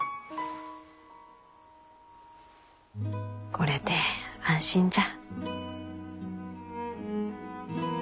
これで安心じゃ。